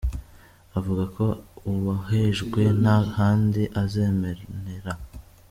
Avuga ko uwahejwe nta handi azamenera.